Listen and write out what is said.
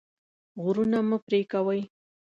غرونه مه پرې کوئ.